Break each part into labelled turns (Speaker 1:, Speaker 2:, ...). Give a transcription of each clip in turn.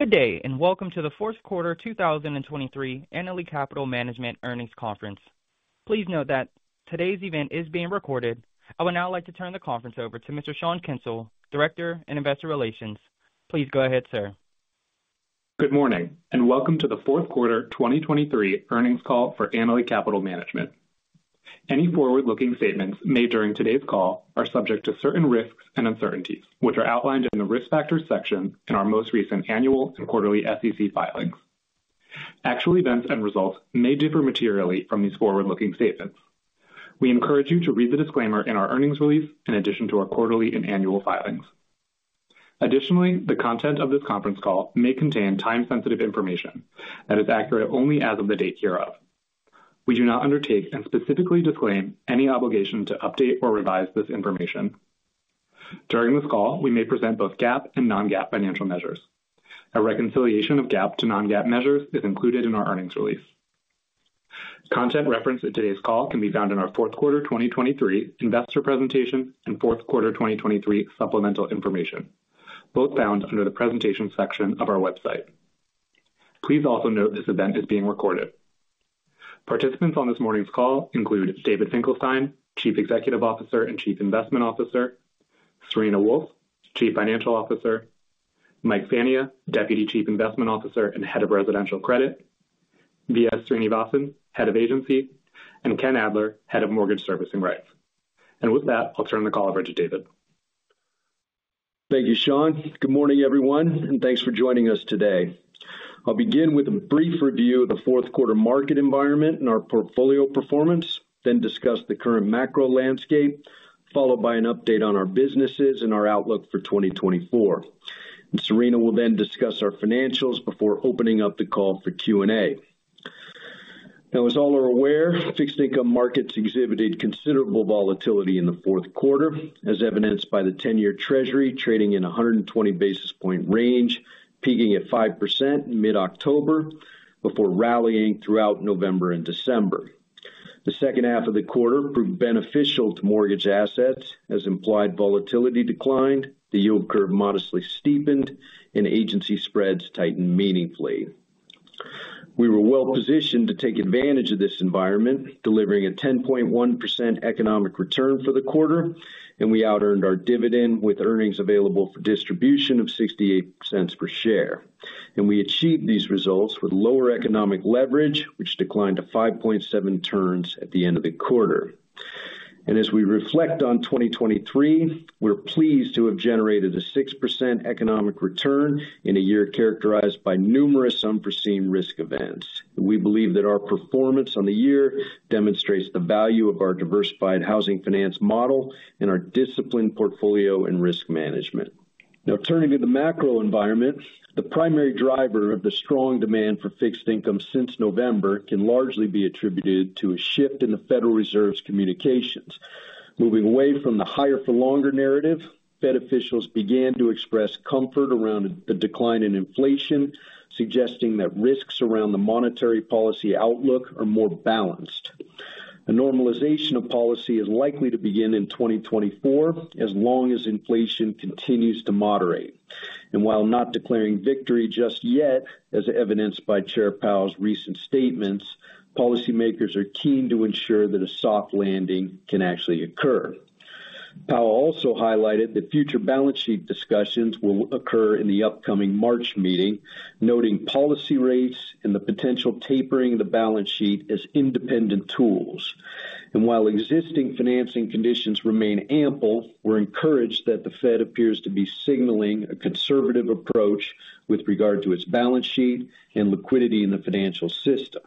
Speaker 1: Good day, and welcome to the Q4 2023 Annaly Capital Management Earnings Conference. Please note that today's event is being recorded. I would now like to turn the conference over to Mr. Sean Kensil, Director in Investor Relations. Please go ahead, sir.
Speaker 2: Good morning, and welcome to the Q4 2023 earnings call for Annaly Capital Management. Any forward-looking statements made during today's call are subject to certain risks and uncertainties, which are outlined in the Risk Factors section in our most recent annual and quarterly SEC filings. Actual events and results may differ materially from these forward-looking statements. We encourage you to read the disclaimer in our earnings release in addition to our quarterly and annual filings. Additionally, the content of this conference call may contain time-sensitive information that is accurate only as of the date hereof. We do not undertake and specifically disclaim any obligation to update or revise this information. During this call, we may present both GAAP and non-GAAP financial measures. A reconciliation of GAAP to non-GAAP measures is included in our earnings release. Content referenced in today's call can be found in our Q4 2023 investor presentation and Q4 2023 supplemental information, both found under the Presentation section of our website. Please also note this event is being recorded. Participants on this morning's call include David Finkelstein, Chief Executive Officer and Chief Investment Officer, Serena Wolfe, Chief Financial Officer, Mike Fania, Deputy Chief Investment Officer and Head of Residential Credit, V.S. Srinivasan, Head of Agency, and Ken Adler, Head of Mortgage Servicing Rights. With that, I'll turn the call over to David.
Speaker 3: Thank you, Sean. Good morning, everyone, and thanks for joining us today. I'll begin with a brief review of the Q4 market environment and our portfolio performance, then discuss the current macro landscape, followed by an update on our businesses and our outlook for 2024. Serena will then discuss our financials before opening up the call for Q&A. Now, as all are aware, fixed income markets exhibited considerable volatility in the Q4, as evidenced by the 10-year Treasury trading in a 120 basis point range, peaking at 5% in mid-October, before rallying throughout November and December. The H2 of the quarter proved beneficial to mortgage assets as implied volatility declined, the yield curve modestly steepened, and agency spreads tightened meaningfully. We were well-positioned to take advantage of this environment, delivering a 10.1% economic return for the quarter, and we outearned our dividend with earnings available for distribution of $0.68 per share. We achieved these results with lower economic leverage, which declined to 5.7 turns at the end of the quarter. As we reflect on 2023, we're pleased to have generated a 6% economic return in a year characterized by numerous unforeseen risk events. We believe that our performance on the year demonstrates the value of our diversified housing finance model and our disciplined portfolio and risk management. Now, turning to the macro environment, the primary driver of the strong demand for fixed income since November can largely be attributed to a shift in the Federal Reserve's communications. Moving away from the higher-for-longer narrative, Fed officials began to express comfort around the decline in inflation, suggesting that risks around the monetary policy outlook are more balanced. A normalization of policy is likely to begin in 2024, as long as inflation continues to moderate. And while not declaring victory just yet, as evidenced by Chair Powell's recent statements, policymakers are keen to ensure that a soft landing can actually occur. Powell also highlighted that future balance sheet discussions will occur in the upcoming March meeting, noting policy rates and the potential tapering of the balance sheet as independent tools. And while existing financing conditions remain ample, we're encouraged that the Fed appears to be signaling a conservative approach with regard to its balance sheet and liquidity in the financial system.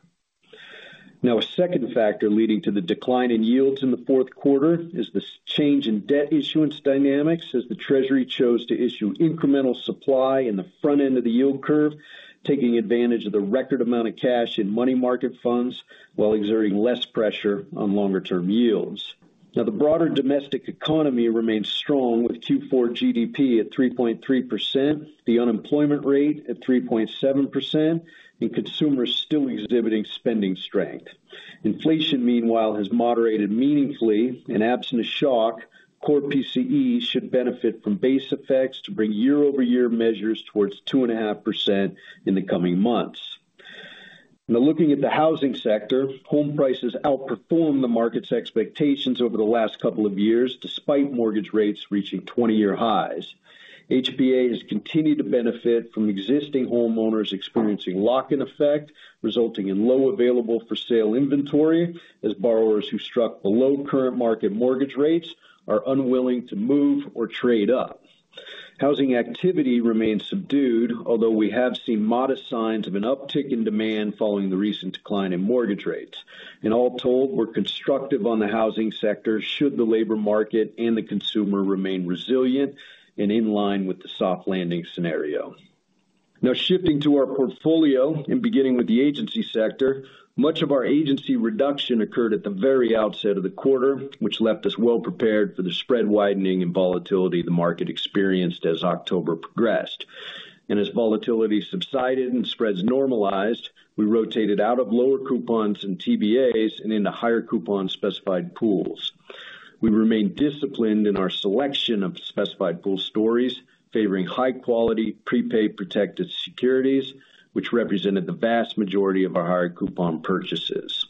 Speaker 3: Now, a second factor leading to the decline in yields in the Q4 is this change in debt issuance dynamics, as the Treasury chose to issue incremental supply in the front end of the yield curve, taking advantage of the record amount of cash in money market funds while exerting less pressure on longer-term yields. Now, the broader domestic economy remains strong, with Q4 GDP at 3.3%, the unemployment rate at 3.7%, and consumers still exhibiting spending strength. Inflation, meanwhile, has moderated meaningfully. In the absence of shock, core PCE should benefit from base effects to bring year-over-year measures towards 2.5% in the coming months. Now, looking at the housing sector, home prices outperformed the market's expectations over the last couple of years, despite mortgage rates reaching 20-year highs. HPA has continued to benefit from existing homeowners experiencing lock-in effect, resulting in low available for sale inventory, as borrowers who are stuck below current market mortgage rates are unwilling to move or trade up. Housing activity remains subdued, although we have seen modest signs of an uptick in demand following the recent decline in mortgage rates. All told, we're constructive on the housing sector, should the labor market and the consumer remain resilient and in line with the soft landing scenario. Now, shifting to our portfolio and beginning with the agency sector, much of our agency reduction occurred at the very outset of the quarter, which left us well prepared for the spread widening and volatility the market experienced as October progressed. And as volatility subsided and spreads normalized, we rotated out of lower coupons and TBAs and into higher coupon specified pools. We remain disciplined in our selection of specified pool stories, favoring high quality, prepaid, protected securities, which represented the vast majority of our higher coupon purchases.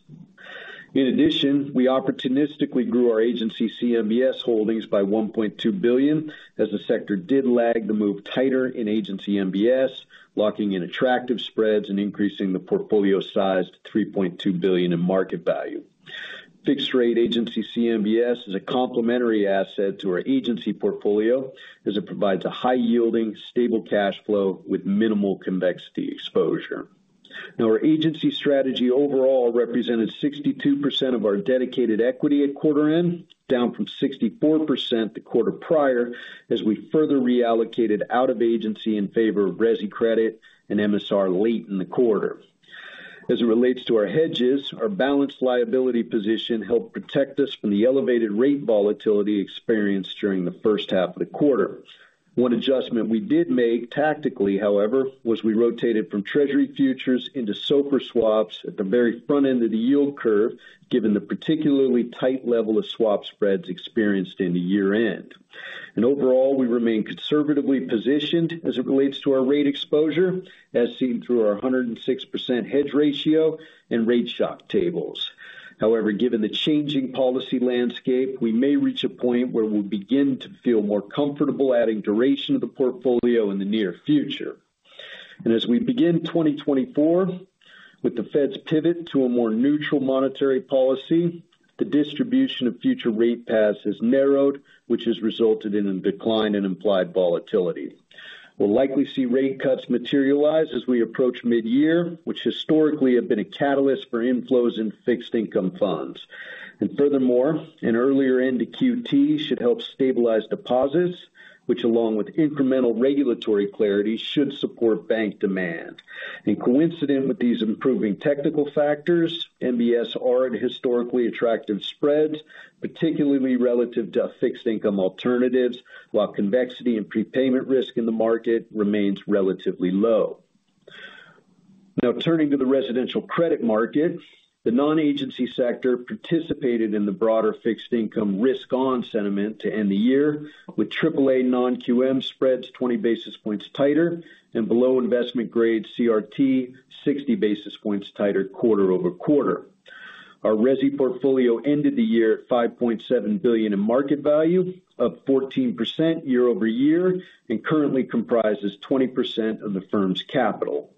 Speaker 3: In addition, we opportunistically grew our agency CMBS holdings by $1.2 billion, as the sector did lag the move tighter in agency MBS, locking in attractive spreads and increasing the portfolio size to $3.2 billion in market value. Fixed rate agency CMBS is a complementary asset to our agency portfolio as it provides a high yielding, stable cash flow with minimal convexity exposure. Now, our agency strategy overall represented 62% of our dedicated equity at quarter end, down from 64% the quarter prior, as we further reallocated out of agency in favor of resi credit and MSR late in the quarter. As it relates to our hedges, our balanced liability position helped protect us from the elevated rate volatility experienced during the H1 of the quarter. One adjustment we did make tactically, however, was we rotated from Treasury futures into SOFR swaps at the very front end of the yield curve, given the particularly tight level of swap spreads experienced in the year-end. And overall, we remain conservatively positioned as it relates to our rate exposure, as seen through our 106% hedge ratio and rate shock tables. However, given the changing policy landscape, we may reach a point where we'll begin to feel more comfortable adding duration to the portfolio in the near future. As we begin 2024, with the Fed's pivot to a more neutral monetary policy, the distribution of future rate paths has narrowed, which has resulted in a decline in implied volatility. We'll likely see rate cuts materialize as we approach mid-year, which historically have been a catalyst for inflows in fixed income funds. And furthermore, an earlier end to QT should help stabilize deposits, which, along with incremental regulatory clarity, should support bank demand. Coincident with these improving technical factors, MBS are at historically attractive spreads, particularly relative to fixed income alternatives, while convexity and prepayment risk in the market remains relatively low. Now, turning to the residential credit market, the non-agency sector participated in the broader fixed income risk on sentiment to end the year, with AAA non-QM spreads 20 basis points tighter and below investment grade CRT 60 basis points tighter quarter-over-quarter. Our resi portfolio ended the year at $5.7 billion in market value, up 14% year-over-year, and currently comprises 20% of the firm's capital.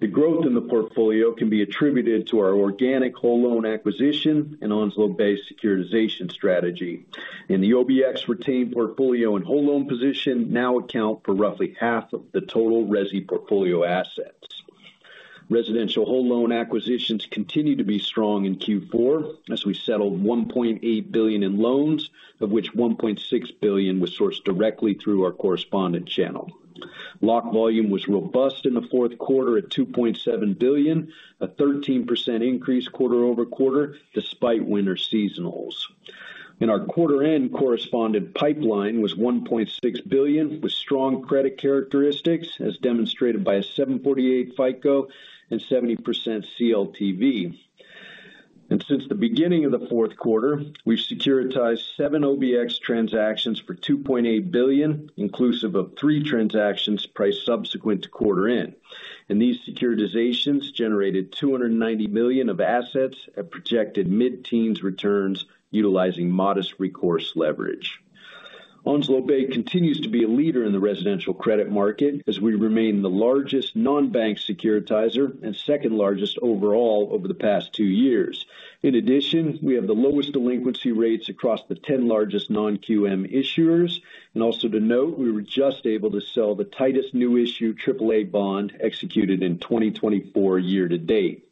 Speaker 3: The growth in the portfolio can be attributed to our organic whole loan acquisition and Onslow-based securitization strategy. And the OBX retained portfolio and whole loan position now account for roughly half of the total resi portfolio assets. Residential whole loan acquisitions continued to be strong in Q4 as we settled $1.8 billion in loans, of which $1.6 billion was sourced directly through our correspondent channel. Lock volume was robust in the Q4 at $2.7 billion, a 13% increase quarter-over-quarter, despite winter seasonals. And our quarter end correspondent pipeline was $1.6 billion, with strong credit characteristics, as demonstrated by a 748 FICO and 70% CLTV. Since the beginning of the Q4, we've securitized 7 OBX transactions for $2.8 billion, inclusive of 3 transactions priced subsequent to quarter end. These securitizations generated $290 million of assets at projected mid-teens returns utilizing modest recourse leverage. Onslow Bay continues to be a leader in the residential credit market as we remain the largest non-bank securitizer and second largest overall over the past two years. In addition, we have the lowest delinquency rates across the 10 largest non-QM issuers. Also, to note, we were just able to sell the tightest new issue AAA bond executed in 2024 year-to-date.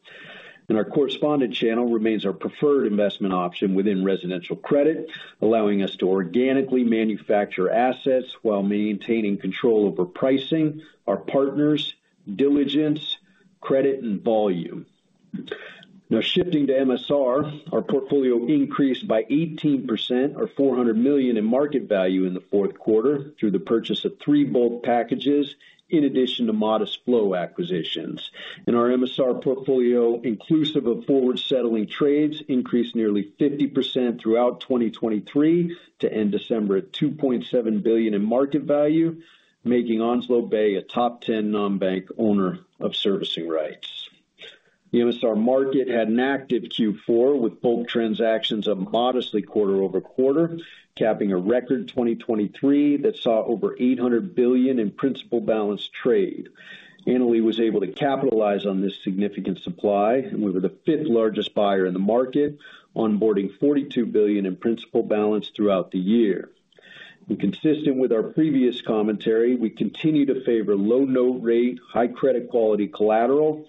Speaker 3: Our correspondent channel remains our preferred investment option within residential credit, allowing us to organically manufacture assets while maintaining control over pricing, our partners, diligence, credit, and volume. Now, shifting to MSR, our portfolio increased by 18% or $400 million in market value in the Q4 through the purchase of three bulk packages, in addition to modest flow acquisitions. Our MSR portfolio, inclusive of forward-settling trades, increased nearly 50% throughout 2023 to end December at $2.7 billion in market value, making Onslow Bay a top 10 non-bank owner of servicing rights. The MSR market had an active Q4, with bulk transactions up modestly quarter-over-quarter, capping a record 2023 that saw over $800 billion in principal balance trade. Annaly was able to capitalize on this significant supply, and we were the 5th largest buyer in the market, onboarding $42 billion in principal balance throughout the year. Consistent with our previous commentary, we continue to favor low note rate, high credit quality collateral.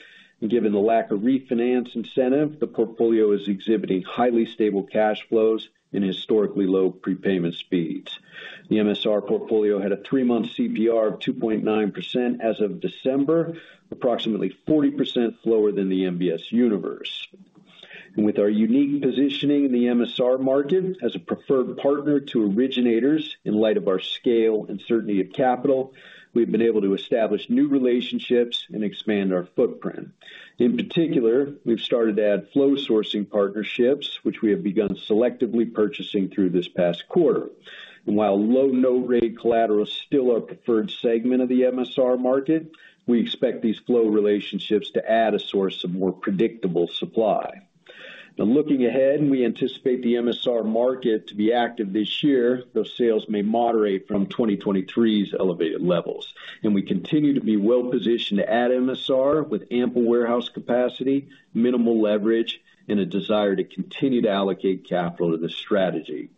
Speaker 3: Given the lack of refinance incentive, the portfolio is exhibiting highly stable cash flows and historically low prepayment speeds. The MSR portfolio had a three-month CPR of 2.9% as of December, approximately 40% lower than the MBS universe. And with our unique positioning in the MSR market as a preferred partner to originators, in light of our scale and certainty of capital, we've been able to establish new relationships and expand our footprint. In particular, we've started to add flow sourcing partnerships, which we have begun selectively purchasing through this past quarter. And while low note rate collateral is still our preferred segment of the MSR market, we expect these flow relationships to add a source of more predictable supply. Now, looking ahead, and we anticipate the MSR market to be active this year, those sales may moderate from 2023's elevated levels. We continue to be well-positioned to add MSR with ample warehouse capacity, minimal leverage, and a desire to continue to allocate capital to this strategy.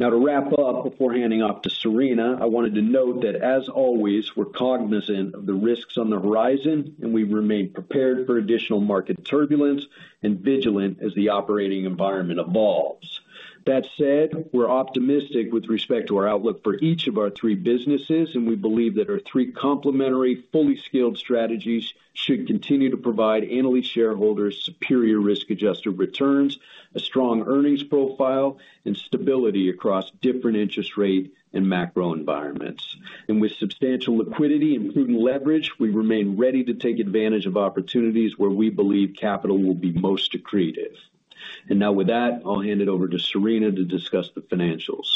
Speaker 3: Now, to wrap up before handing off to Serena, I wanted to note that, as always, we're cognizant of the risks on the horizon, and we remain prepared for additional market turbulence and vigilant as the operating environment evolves. That said, we're optimistic with respect to our outlook for each of our three businesses, and we believe that our three complementary, fully skilled strategies should continue to provide Annaly shareholders superior risk-adjusted returns, a strong earnings profile, and stability across different interest rate and macro environments. With substantial liquidity, including leverage, we remain ready to take advantage of opportunities where we believe capital will be most accretive. Now, with that, I'll hand it over to Serena to discuss the financials.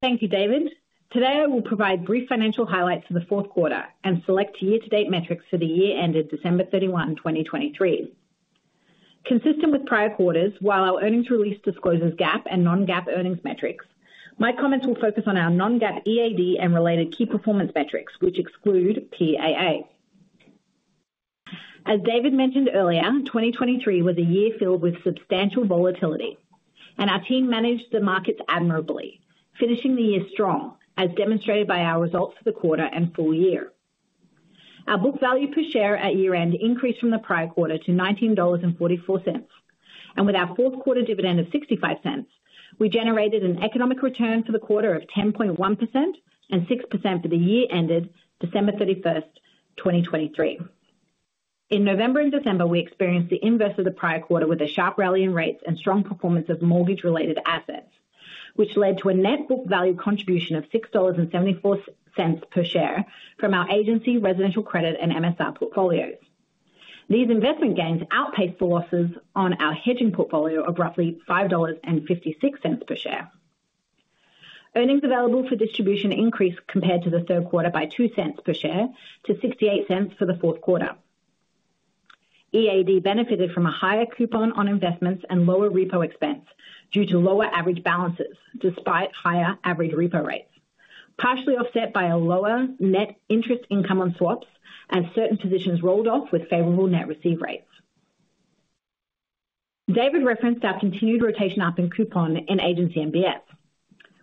Speaker 4: Thank you, David. Today, I will provide brief financial highlights for the Q4 and select year-to-date metrics for the year ended December 31, 2023. Consistent with prior quarters, while our earnings release discloses GAAP and non-GAAP earnings metrics, my comments will focus on our non-GAAP EAD and related key performance metrics, which exclude PAA. As David mentioned earlier, 2023 was a year filled with substantial volatility, and our team managed the markets admirably, finishing the year strong, as demonstrated by our results for the quarter and full year. Our book value per share at year-end increased from the prior quarter to $19.44. And with our Q4 dividend of $0.65, we generated an economic return for the quarter of 10.1% and 6% for the year ended December 31, 2023. In November and December, we experienced the inverse of the prior quarter, with a sharp rally in rates and strong performance of mortgage-related assets, which led to a net book value contribution of $6.74 per share from our Agency, Residential Credit, and MSR portfolios. These investment gains outpaced the losses on our hedging portfolio of roughly $5.56 per share. Earnings available for distribution increased compared to the Q3 by $0.02 per share to $0.68 for the Q4. EAD benefited from a higher coupon on investments and lower repo expense due to lower average balances, despite higher average repo rates, partially offset by a lower net interest income on swaps and certain positions rolled off with favorable net receive rates. David referenced our continued rotation up in coupon in Agency MBS.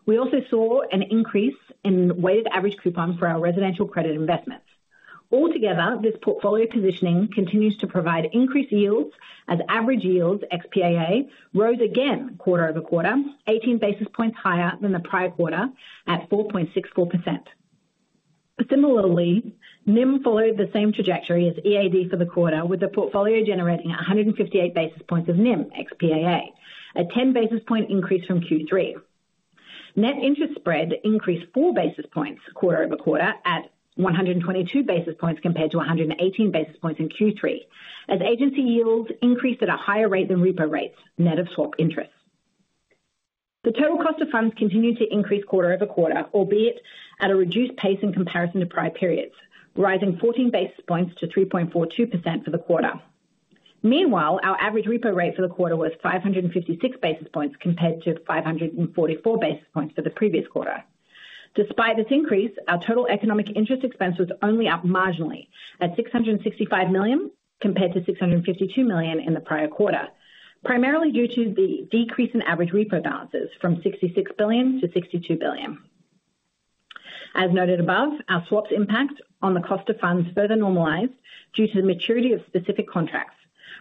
Speaker 4: We also saw an increase in weighted average coupon for our residential credit investments. Altogether, this portfolio positioning continues to provide increased yields as average yields ex PAA rose again quarter-over-quarter, 18 basis points higher than the prior quarter, at 4.64%. Similarly, NIM followed the same trajectory as EAD for the quarter, with the portfolio generating 158 basis points of NIM ex PAA, a 10 basis point increase from Q3. Net interest spread increased 4 basis points quarter-over-quarter at 122 basis points, compared to 118 basis points in Q3, as agency yields increased at a higher rate than repo rates, net of swap interest. The total cost of funds continued to increase quarter-over-quarter, albeit at a reduced pace in comparison to prior periods, rising 14 basis points to 3.42% for the quarter. Meanwhile, our average repo rate for the quarter was 556 basis points, compared to 544 basis points for the previous quarter. Despite this increase, our total economic interest expense was only up marginally at $665 million, compared to $652 million in the prior quarter, primarily due to the decrease in average repo balances from $66 billion to $62 billion. As noted above, our swaps impact on the cost of funds further normalized due to the maturity of specific contracts,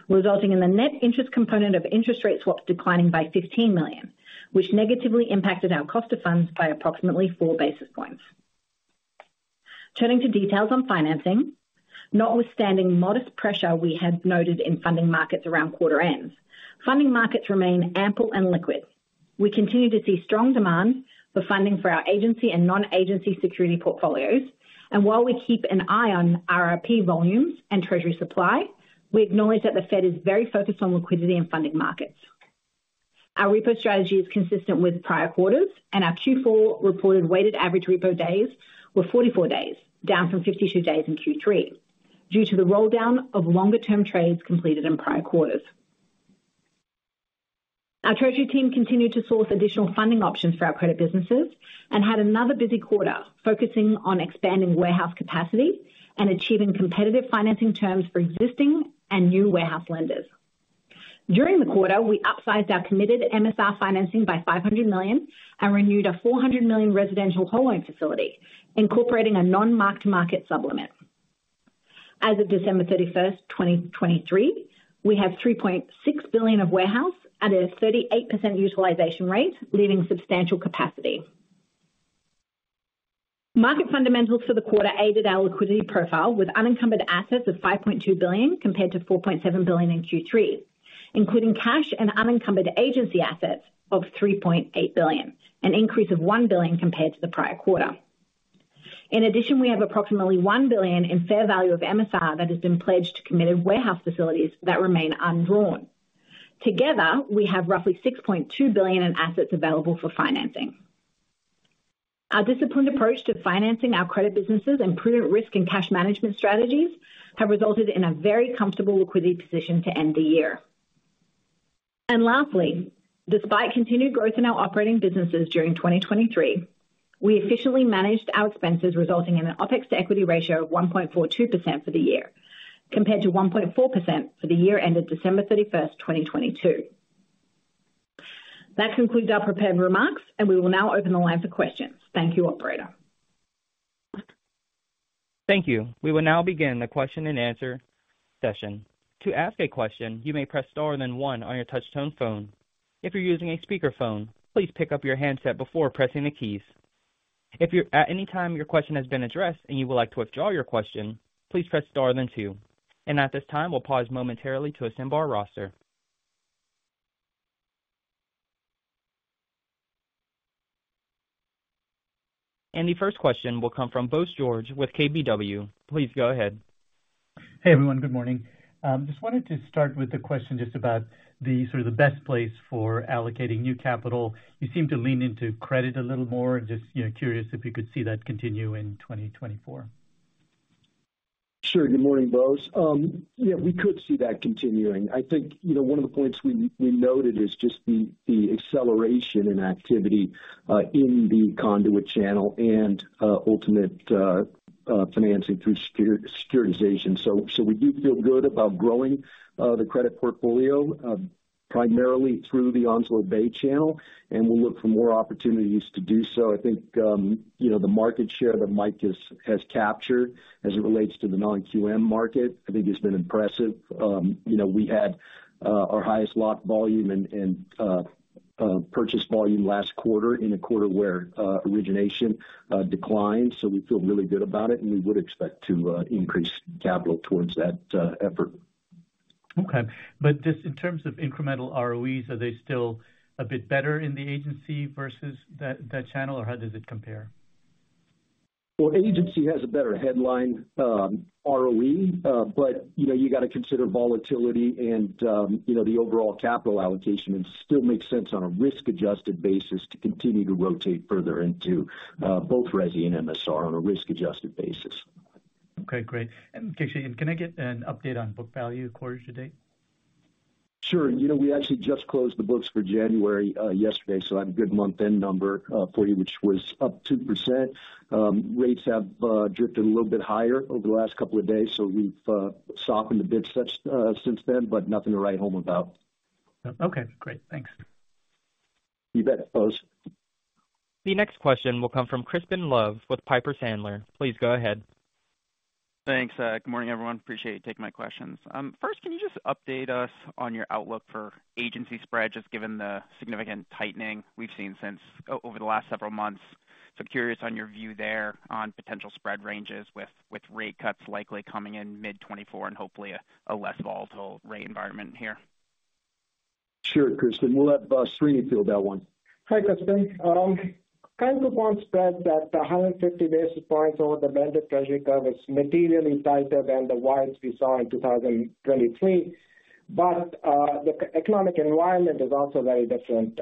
Speaker 4: resulting in the net interest component of interest rate swaps declining by $15 million, which negatively impacted our cost of funds by approximately 4 basis points. Turning to details on financing. Notwithstanding modest pressure we had noted in funding markets around quarter end, funding markets remain ample and liquid. We continue to see strong demand for funding for our agency and non-agency security portfolios, and while we keep an eye on RRP volumes and Treasury supply, we acknowledge that the Fed is very focused on liquidity and funding markets. Our repo strategy is consistent with prior quarters, and our Q4 reported weighted average repo days were 44 days, down from 52 days in Q3 due to the roll down of longer-term trades completed in prior quarters. Our treasury team continued to source additional funding options for our credit businesses and had another busy quarter focusing on expanding warehouse capacity and achieving competitive financing terms for existing and new warehouse lenders. During the quarter, we upsized our committed MSR financing by $500 million and renewed a $400 million residential whole loan facility, incorporating a non-mark-to-market supplement. As of December 31, 2023, we have $3.6 billion of warehouse at a 38% utilization rate, leaving substantial capacity. Market fundamentals for the quarter aided our liquidity profile, with unencumbered assets of $5.2 billion compared to $4.7 billion in Q3, including cash and unencumbered agency assets of $3.8 billion, an increase of $1 billion compared to the prior quarter. In addition, we have approximately $1 billion in fair value of MSR that has been pledged to committed warehouse facilities that remain undrawn. Together, we have roughly $6.2 billion in assets available for financing. Our disciplined approach to financing our credit businesses and prudent risk and cash management strategies have resulted in a very comfortable liquidity position to end the year. And lastly, despite continued growth in our operating businesses during 2023, we efficiently managed our expenses, resulting in an OPEX to equity ratio of 1.42% for the year, compared to 1.4% for the year ended December 31, 2022. That concludes our prepared remarks, and we will now open the line for questions. Thank you, operator.
Speaker 1: Thank you. We will now begin the Q&A session. To ask a question, you may press star then one on your touchtone phone. If you're using a speakerphone, please pick up your handset before pressing the keys. If at any time, your question has been addressed and you would like to withdraw your question, please press star then two. And at this time, we'll pause momentarily to assemble our roster. And the first question will come from Bose George with KBW. Please go ahead.
Speaker 5: Hey, everyone. Good morning. Just wanted to start with a question just about the the best place for allocating new capital. You seem to lean into credit a little more. Just, you know, curious if you could see that continue in 2024.
Speaker 6: Sure. Good morning, Bose. We could see that continuing. I think, you know, one of the points we noted is just the acceleration in activity in the conduit channel and ultimate financing through securitization. So we do feel good about growing the credit portfolio primarily through the Onslow Bay channel, and we'll look for more opportunities to do so. I think, you know, the market share that Mike has captured as it relates to the non-QM market, I think has been impressive. You know, we had our highest lock volume and purchase volume last quarter in a quarter where origination declined. So we feel really good about it, and we would expect to increase capital towards that effort.
Speaker 5: Okay. But just in terms of incremental ROEs, are they still a bit better in the agency versus that, that channel, or how does it compare?
Speaker 6: Agency has a better headline ROE, but you know, you got to consider volatility and you know, the overall capital allocation. It still makes sense on a risk-adjusted basis to continue to rotate further into both Resi and MSR on a risk-adjusted basis.
Speaker 5: Okay, great. And actually, can I get an update on book value quarter to date?
Speaker 6: Sure. You know, we actually just closed the books for January, yesterday, so I have a good month-end number, for you, which was up 2%. Rates have drifted a little bit higher over the last couple of days, so we've softened a bit since then, but nothing to write home about.
Speaker 5: Okay, great. Thanks.
Speaker 6: You bet, Bose.
Speaker 1: The next question will come from Crispin Love with Piper Sandler. Please go ahead.
Speaker 7: Thanks. Good morning, everyone. Appreciate you taking my questions. First, can you just update us on your outlook for agency spread, just given the significant tightening we've seen since over the last several months? So curious on your view there on potential spread ranges with rate cuts likely coming in mid-2024 and hopefully a less volatile rate environment here.
Speaker 6: Sure, Crispin. We'll let Srini field that one.
Speaker 8: Hi, Crispin. One spread that the 150 basis points over the blended treasury curve is materially tighter than the wides we saw in 2023. But, the economic environment is also very different.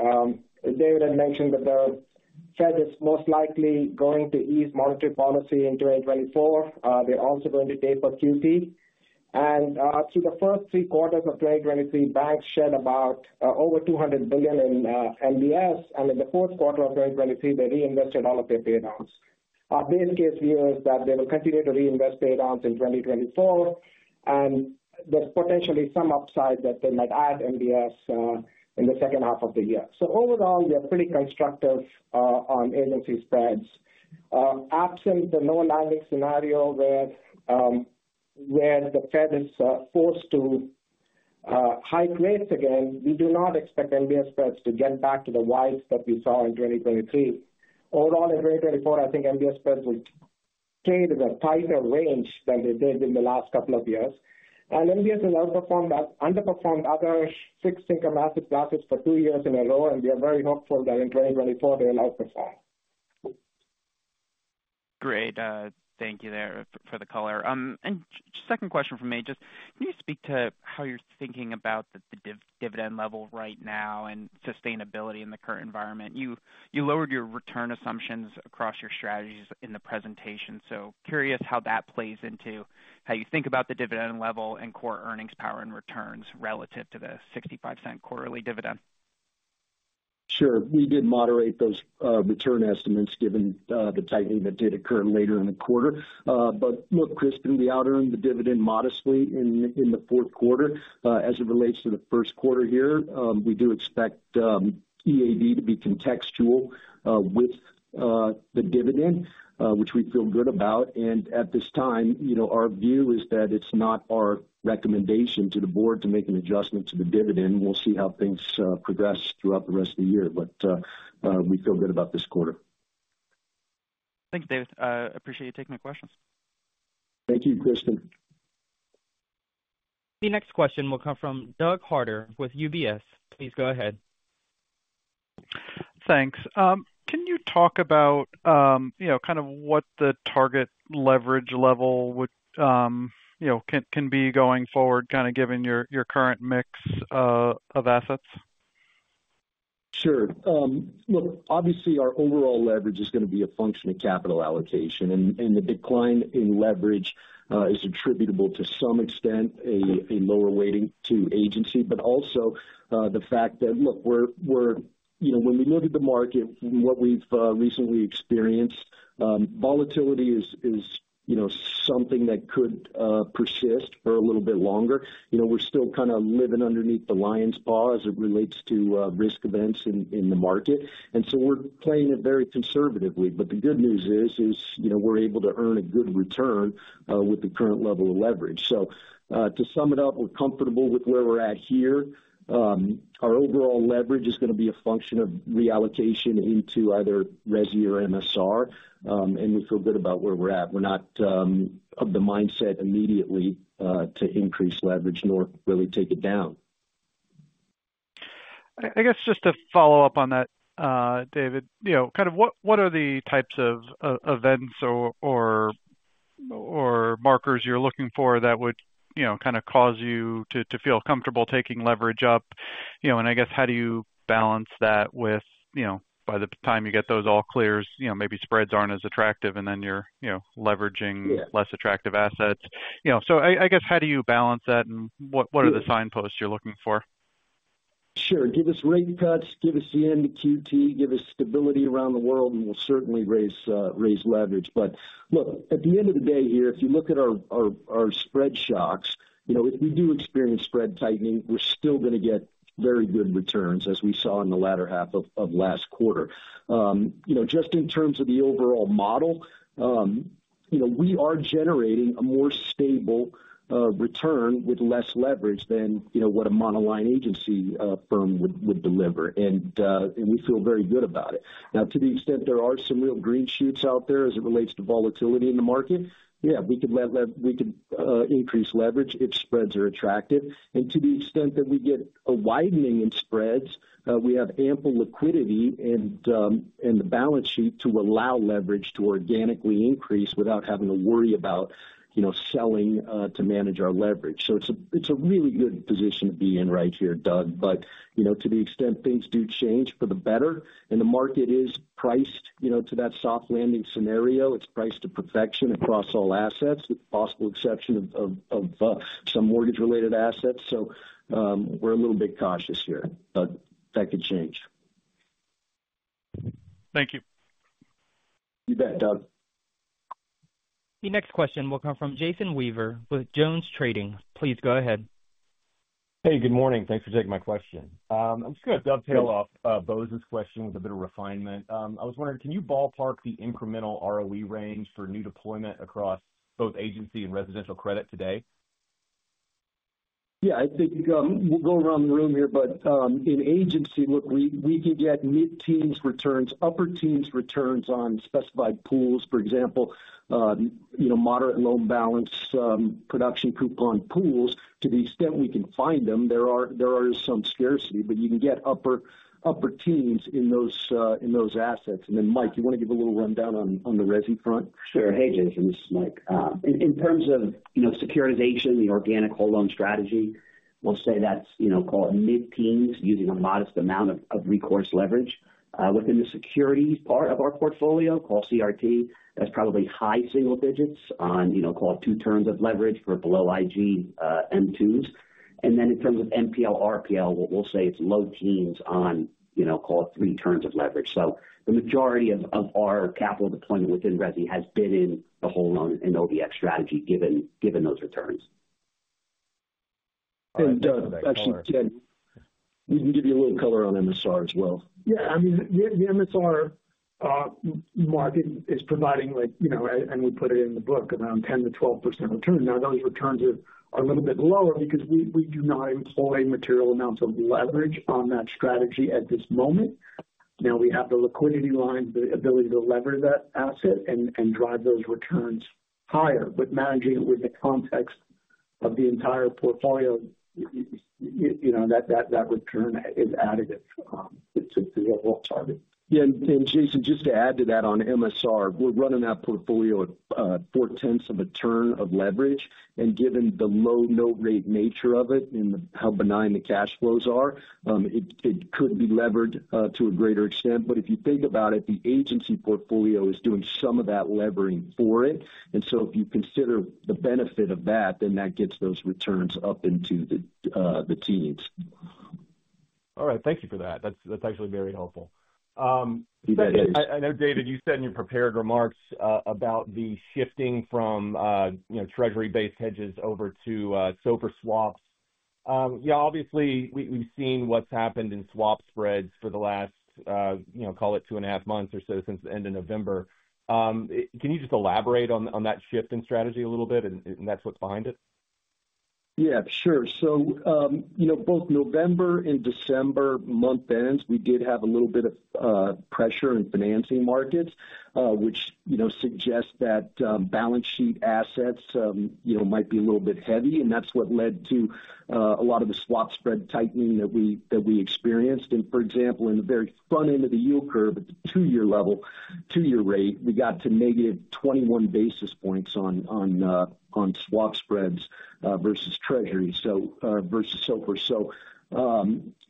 Speaker 8: David had mentioned that the Fed is most likely going to ease monetary policy in 2024. They're also going to taper QT. And, through the first three quarters of 2023, banks shed about, over $200 billion in MBS. And in the Q4 of 2023, they reinvested all of their payouts. Our base case view is that they will continue to reinvest payouts in 2024, and there's potentially some upside that they might add MBS, in the H2 of the year. So overall, we are pretty constructive, on agency spreads. Absent the no-landing scenario where, where the Fed is forced to hike rates again, we do not expect MBS spreads to get back to the wides that we saw in 2023. Overall, in 2024, I think MBS spreads will stay in a tighter range than they did in the last couple of years. And MBS has underperformed other fixed income asset classes for two years in a row, and we are very hopeful that in 2024 they will outperform.
Speaker 7: Great. Thank you for the color. And second question from me, just can you speak to how you're thinking about the dividend level right now and sustainability in the current environment? You lowered your return assumptions across your strategies in the presentation, so curious how that plays into how you think about the dividend level and core earnings power and returns relative to the $0.65 quarterly dividend.
Speaker 6: Sure. We did moderate those return estimates given the tightening that did occur later in the quarter. But look, Crispin, we outearned the dividend modestly in the Q4. As it relates to the Q1 here, we do expect EAD to be contextual with the dividend, which we feel good about. And at this time, you know, our view is that it's not our recommendation to the board to make an adjustment to the dividend. We'll see how things progress throughout the rest of the year, but we feel good about this quarter.
Speaker 7: Thank you, David. I appreciate you taking my questions.
Speaker 6: Thank you, Crispin.
Speaker 1: The next question will come from Doug Harter with UBS. Please go ahead.
Speaker 9: Thanks. Can you talk about, you know, what the target leverage level would, you know, can be going forward, given your current mix of assets?
Speaker 6: Sure. Look, obviously our overall leverage is going to be a function of capital allocation, and the decline in leverage is attributable to some extent a lower weighting to agency, but also the fact that, look, we're you know, when we look at the market and what we've recently experienced, volatility is you know, something that could persist for a little bit longer. You know, we're still living underneath the lion's paw as it relates to risk events in the market, and so we're playing it very conservatively. But the good news is you know, we're able to earn a good return with the current level of leverage. So, to sum it up, we're comfortable with where we're at here. Our overall leverage is going to be a function of reallocation into either resi or MSR, and we feel good about where we're at. We're not of the mindset immediately to increase leverage nor really take it down.
Speaker 9: I guess just to follow up on that, David, you know, what are the types of events or markers you're looking for that would, you know, cause you to feel comfortable taking leverage up? You know, and I guess, how do you balance that with, you know, by the time you get those all clears, you know, maybe spreads aren't as attractive, and then you're, you know, leveraging-
Speaker 6: Yeah.
Speaker 9: Less attractive assets. You know, so I, I guess, how do you balance that, and what, what are the signposts you're looking for?
Speaker 6: Sure. Give us rate cuts, give us the end to QT, give us stability around the world, and we'll certainly raise raise leverage. But look, at the end of the day here, if you look at our spread shocks, you know, if we do experience spread tightening, we're still going to get very good returns, as we saw in the latter half of last quarter. You know, just in terms of the overall model, you know, we are generating a more stable return with less leverage than, you know, what a monoline agency firm would deliver, and we feel very good about it. Now, to the extent there are some real green shoots out there as it relates to volatility in the market, we could increase leverage if spreads are attractive. To the extent that we get a widening in spreads, we have ample liquidity and the balance sheet to allow leverage to organically increase without having to worry about, you know, selling to manage our leverage. It's a really good position to be in right here, Doug. You know, to the extent things do change for the better, and the market is priced, you know, to that soft landing scenario, it's priced to perfection across all assets, with the possible exception of some mortgage-related assets. We're a little bit cautious here, but that could change.
Speaker 9: Thank you.
Speaker 6: You bet, Doug.
Speaker 1: The next question will come from Jason Weaver with Jones Trading. Please go ahead.
Speaker 8: Hey, good morning. Thanks for taking my question. I'm just going to dovetail off Bose's question with a bit of refinement. I was wondering, can you ballpark the incremental ROE range for new deployment across both agency and residential credit today?
Speaker 6: I think we'll go around the room here, but in agency, look, we could get mid-teens returns, upper teens returns on specified pools, for example, you know, moderate loan balance, production coupon pools, to the extent we can find them. There are some scarcity, but you can get upper teens in those assets. And then, Mike, you want to give a little rundown on the resi front?
Speaker 10: Sure. Hey, Jason, this is Mike. In terms of, you know, securitization, the organic whole loan strategy, we'll say that's, you know, call it mid-teens, using a modest amount of recourse leverage. Within the securities part of our portfolio, call CRT, that's probably high single digits on, you know, call it 2 terms of leverage for below IG, M2s. And then in terms of NPL/RPL, what we'll say it's low teens on, you know, call it 3 terms of leverage. So the majority of our capital deployment within resi has been in the whole loan and OBX strategy, given those returns.
Speaker 6: Doug, actually, we can give you a little color on MSR. I mean, the MSR market is providing, like, you know, and we put it in the book, around 10%-12% return. Now, those returns are a little bit lower because we do not employ material amounts of leverage on that strategy at this moment. Now, we have the liquidity line, the ability to leverage that asset and drive those returns higher, but managing it with the context of the entire portfolio, you know, that return is additive to our target. And Jason, just to add to that on MSR, we're running that portfolio at 0.4 of a turn of leverage, and given the low note rate nature of it and how benign the cash flows are, it could be levered to a greater extent. But if you think about it, the agency portfolio is doing some of that levering for it. And so if you consider the benefit of that, then that gets those returns up into the teens.
Speaker 8: All right. Thank you for that. That's, that's actually very helpful. I know, David, you said in your prepared remarks about the shifting from, you know, Treasury-based hedges over to SOFR swaps. Obviously we've seen what's happened in swap spreads for the last, you know, call it 2.5 months or so since the end of November. Can you just elaborate on that shift in strategy a little bit and that's what's behind it?
Speaker 6: Sure. So, you know, both November and December month ends, we did have a little bit of pressure in financing markets, which, you know, suggests that balance sheet assets, you know, might be a little bit heavy, and that's what led to a lot of the swap spread tightening that we experienced. And for example, in the very front end of the yield curve, at the two-year level, two-year rate, we got to negative 21 basis points on swap spreads versus Treasury, so versus SOFR. So,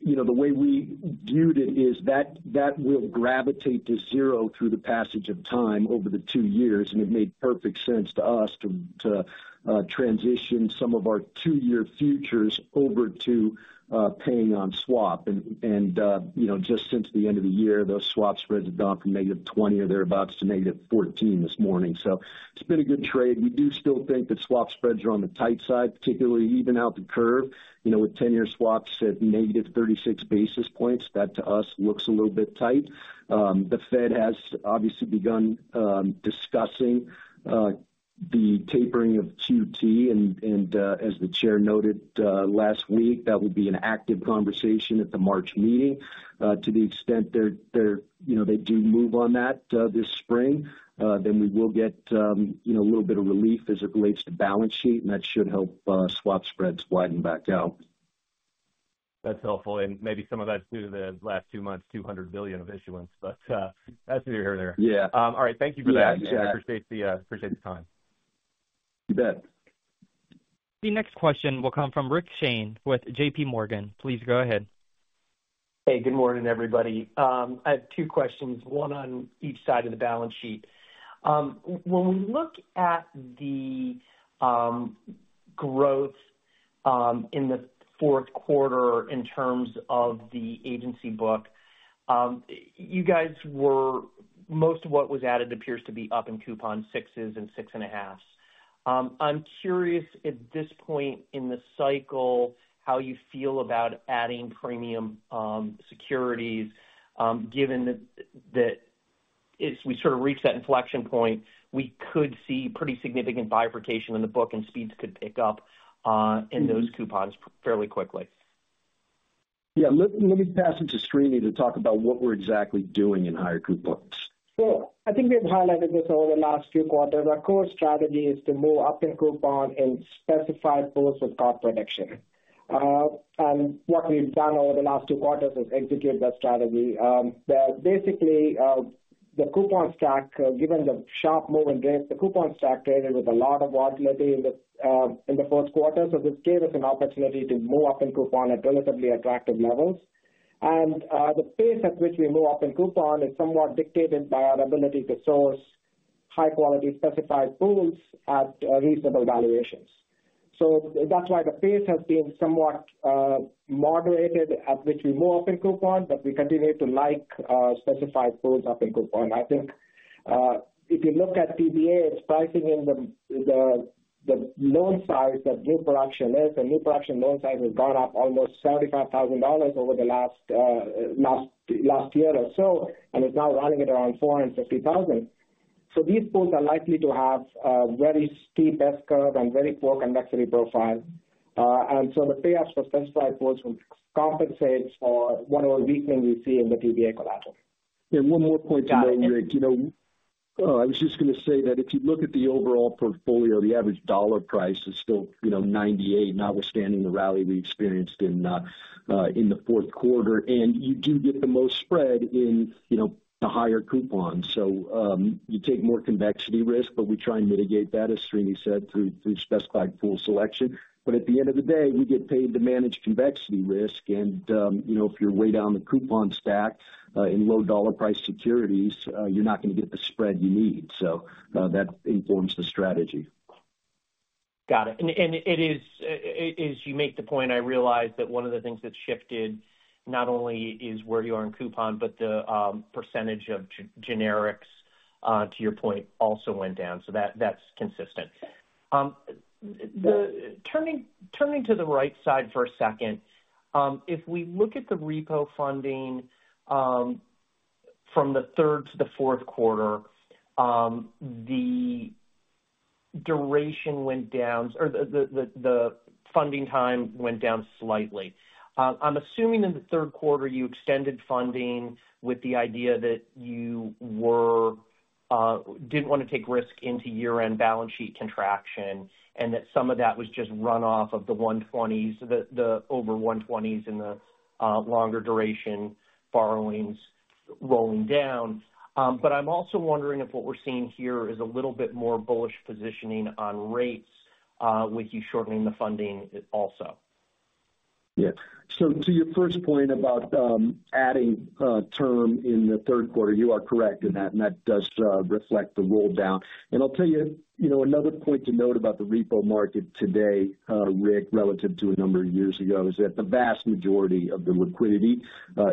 Speaker 6: you know, the way we viewed it is that will gravitate to zero through the passage of time over the two years, and it made perfect sense to us to transition some of our two-year futures over to paying on swap. You know, just since the end of the year, those swap spreads have gone from -20 or thereabouts to -14 this morning. So it's been a good trade. We do still think that swap spreads are on the tight side, particularly even out the curve. You know, with 10-year swaps at -36 basis points, that to us looks a little bit tight. The Fed has obviously begun discussing the tapering of QT. And as the chair noted last week, that would be an active conversation at the March meeting. To the extent they're you know, they do move on that this spring, then we will get you know, a little bit of relief as it relates to balance sheet, and that should help swap spreads widen back out.
Speaker 8: That's helpful, and maybe some of that's due to the last two months, $200 billion of issuance. But, that's neither here nor there.
Speaker 6: Yeah.
Speaker 8: All right, thank you for that.
Speaker 6: Yeah.
Speaker 8: Appreciate the time.
Speaker 6: You bet.
Speaker 1: The next question will come from Rick Shane with JP Morgan. Please go ahead.
Speaker 11: Hey, good morning, everybody. I have two questions, one on each side of the balance sheet. When we look at the growth in the Q4 in terms of the agency book, most of what was added appears to be up in coupon 6s and 6.5s. I'm curious at this point in the cycle, how you feel about adding premium securities, given that as we reach that inflection point, we could see pretty significant bifurcation in the book and speeds could pick up in those coupons fairly quickly.
Speaker 6: Let me pass it to Srini to talk about what we're exactly doing in higher coupon books.
Speaker 12: Sure. I think we've highlighted this over the last few quarters. Our core strategy is to move up in coupon and specify pools of call protection. What we've done over the last two quarters is execute that strategy. Basically, the coupon stack, given the sharp move in rates, the coupon stack traded with a lot of volatility in the Q4. This gave us an opportunity to move up in coupon at relatively attractive levels. The pace at which we move up in coupon is somewhat dictated by our ability to source high quality specified pools at reasonable valuations. That's why the pace has been somewhat moderated at which we move up in coupon, but we continue to like specified pools up in coupon. I think, if you look at PBA, it's pricing in the loan size that new production is, the new production loan size has gone up almost $75,000 over the last year or so, and is now running at around $450,000. So these pools are likely to have a very steep S-curve and very poor convexity profile. So the payups for specified pools will compensate for whatever weakening we see in the PBA collateral.
Speaker 6: One more point to make, you know. I was just going to say that if you look at the overall portfolio, the average dollar price is still, you know, $98, notwithstanding the rally we experienced in the Q4. And you do get the most spread in, you know, the higher coupons. So, you take more convexity risk, but we try and mitigate that, as Srini said, through specified pool selection. But at the end of the day, we get paid to manage convexity risk. And, you know, if you're way down the coupon stack, in low dollar price securities, you're not going to get the spread you need. So, that informs the strategy.
Speaker 11: Got it. And it is, as you make the point, I realize that one of the things that's shifted not only is where you are in coupon, but the percentage of generics, to your point, also went down. So that's consistent. Turning to the right side for a second. If we look at the repo funding from the third to the Q4, the duration went down, or the funding time went down slightly. I'm assuming in the Q3, you extended funding with the idea that you didn't want to take risk into year-end balance sheet contraction, and that some of that was just runoff of the one twenties, the over one twenties and the longer duration borrowings rolling down. I'm also wondering if what we're seeing here is a little bit more bullish positioning on rates, with you shortening the funding also?
Speaker 6: So to your first point about adding term in the Q3, you are correct in that, and that does reflect the roll down. And I'll tell you, you know, another point to note about the repo market today, Rick, relative to a number of years ago, is that the vast majority of the liquidity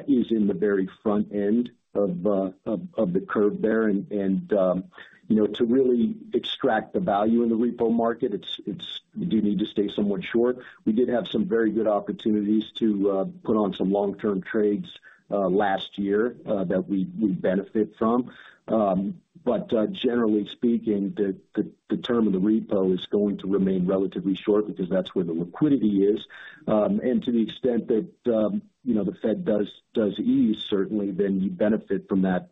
Speaker 6: is in the very front end of the curve there. And, you know, to really extract the value in the repo market, it's you do need to stay somewhat short. We did have some very good opportunities to put on some long-term trades last year that we benefit from. But generally speaking, the term of the repo is going to remain relatively short because that's where the liquidity is. To the extent that, you know, the Fed does ease, certainly then you benefit from that,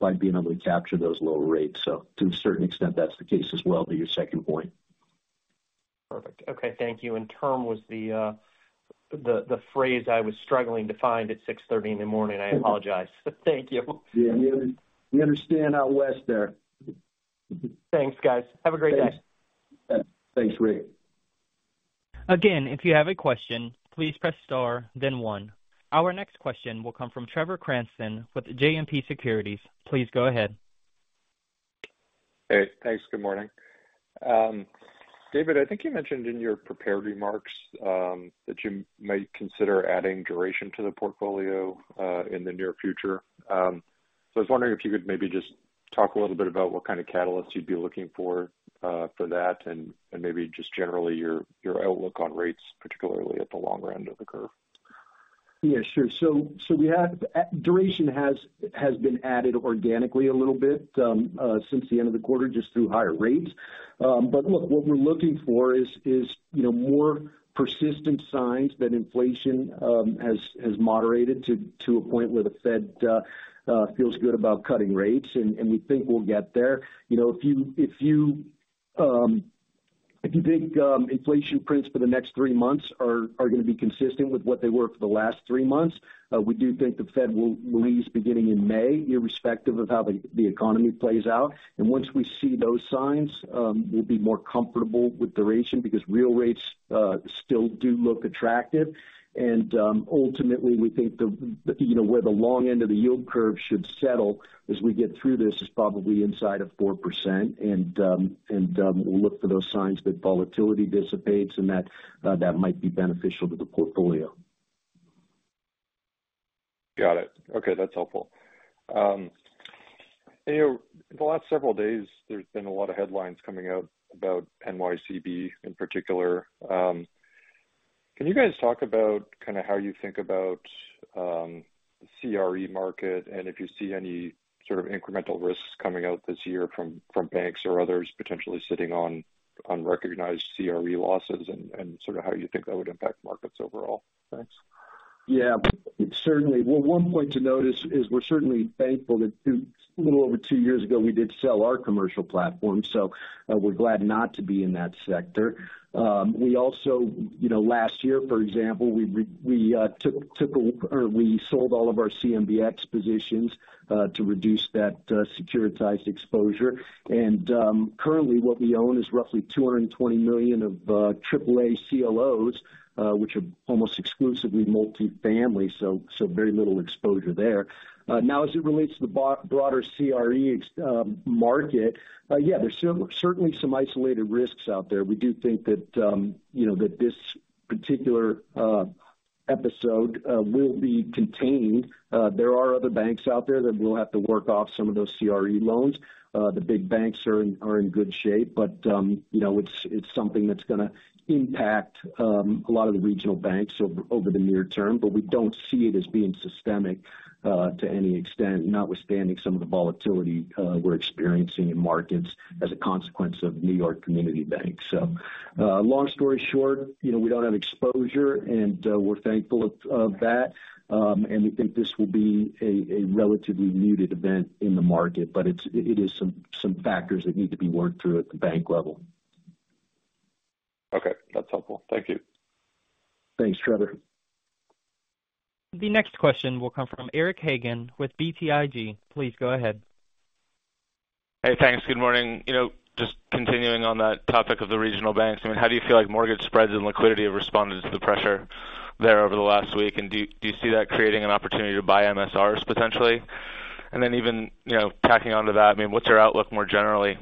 Speaker 6: by being able to capture those lower rates. To a certain extent, that's the case, to your second point.
Speaker 11: Perfect. Okay, thank you. And the term was the phrase I was struggling to find at 6:30 A.M. I apologize. Thank you.
Speaker 6: We understand out west there.
Speaker 11: Thanks, guys. Have a great day.
Speaker 6: Thanks, Rick.
Speaker 1: Again, if you have a question, please press star, then one. Our next question will come from Trevor Cranston with JMP Securities. Please go ahead.
Speaker 13: Hey, thanks. Good morning. David, I think you mentioned in your prepared remarks that you might consider adding duration to the portfolio in the near future. I was wondering if you could maybe just talk a little bit about what catalysts you'd be looking for for that, and and maybe just generally, your your outlook on rates, particularly at the longer end of the curve?
Speaker 6: Sure. So we have duration has been added organically a little bit since the end of the quarter, just through higher rates. But look, what we're looking for is you know more persistent signs that inflation has moderated to a point where the Fed feels good about cutting rates, and we think we'll get there. You know, if you think inflation prints for the next three months are going to be consistent with what they were for the last three months, we do think the Fed will ease beginning in May, irrespective of how the economy plays out. And once we see those signs, we'll be more comfortable with duration because real rates still do look attractive. Ultimately, we think the, you know, where the long end of the yield curve should settle as we get through this is probably inside of 4%. We'll look for those signs that volatility dissipates and that might be beneficial to the portfolio.
Speaker 13: Got it. Okay, that's helpful. You know, the last several days, there's been a lot of headlines coming out about NYCB in particular. Can you guys talk about how you think about the CRE market, and if you see any incremental risks coming out this year from banks or others potentially sitting on unrecognized CRE losses and how you think that would impact markets overall? Thanks.
Speaker 6: Certainly. One point to note is we're certainly thankful that a little over 2 years ago, we did sell our commercial platform, so we're glad not to be in that sector. We also, you know, last year, for example, we took or we sold all of our CMBX positions to reduce that securitized exposure. And currently, what we own is roughly $220 million of triple-A CLOs, which are almost exclusively multifamily, so very little exposure there. Now, as it relates to the broader CRE market, there's certainly some isolated risks out there. We do think that, you know, that this particular episode will be contained. There are other banks out there that will have to work off some of those CRE loans. The big banks are in good shape, but, you know, it's something that's going to impact a lot of the regional banks over the near term. But we don't see it as being systemic to any extent, notwithstanding some of the volatility we're experiencing in markets as a consequence of New York Community Bank. So, long story short, you know, we don't have exposure, and we're thankful of that. And we think this will be a relatively muted event in the market, but it is some factors that need to be worked through at the bank level.
Speaker 13: Okay. That's helpful. Thank you.
Speaker 6: Thanks, Trevor.
Speaker 1: The next question will come from Eric Hagen with BTIG. Please go ahead.
Speaker 14: Hey, thanks. Good morning. You know, just continuing on that topic of the regional banks, I mean, how do you feel like mortgage spreads and liquidity have responded to the pressure there over the last week? And do you, do you see that creating an opportunity to buy MSRs potentially? And then even, you know, tacking onto that, I mean, what's your outlook more generally,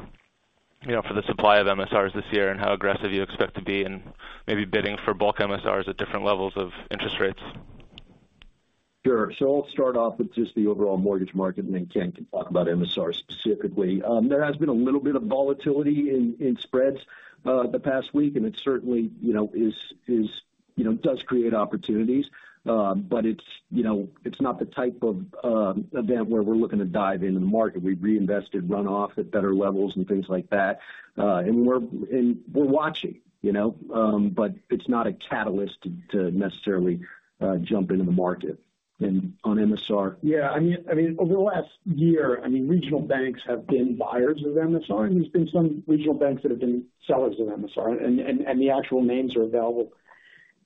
Speaker 14: you know, for the supply of MSRs this year, and how aggressive do you expect to be in maybe bidding for bulk MSRs at different levels of interest rates?
Speaker 6: Sure. So I'll start off with just the overall mortgage market, and then Ken can talk about MSR specifically. There has been a little bit of volatility in spreads the past week, and it certainly, you know, does create opportunities. But it's, you know, it's not the type of event where we're looking to dive into the market. We've reinvested runoff at better levels and things like that. And we're watching, you know, but it's not a catalyst to necessarily jump into the market on MSR.
Speaker 15: I mean, over the last year, I mean, regional banks have been buyers of MSR, and there's been some regional banks that have been sellers of MSR, and the actual names are available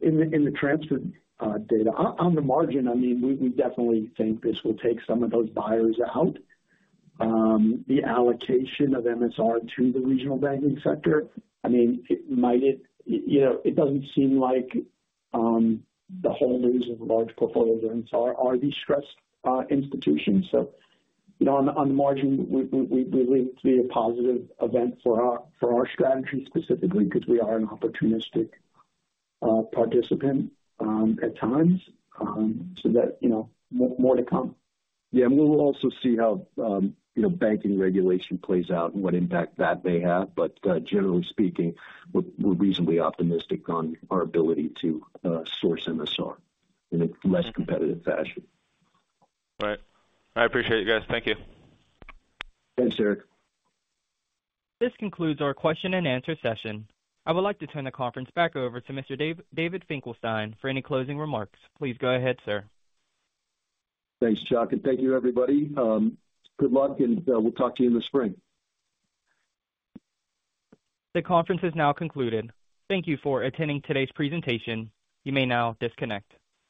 Speaker 15: in the transfer data. On the margin, I mean, we definitely think this will take some of those buyers out. The allocation of MSR to the regional banking sector, I mean, it might, you know, it doesn't seem like the holders of large portfolios are distressed institutions. So, you know, on the margin, we believe to be a positive event for our strategy specifically because we are an opportunistic participant at times. So that, you know, more to come.
Speaker 6: And we'll also see how, you know, banking regulation plays out and what impact that may have. But, generally speaking, we're reasonably optimistic on our ability to source MSR in a less competitive fashion.
Speaker 14: Right. I appreciate it, guys. Thank you.
Speaker 6: Thanks, Eric.
Speaker 1: This concludes our Q&A session. I would like to turn the conference back over to Mr. David Finkelstein for any closing remarks. Please go ahead, sir.
Speaker 6: Thanks, Chuck, and thank you, everybody. Good luck, and we'll talk to you in the spring.
Speaker 1: The conference is now concluded. Thank you for attending today's presentation. You may now disconnect.